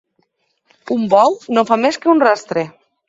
Un bou no fa més que un rastre.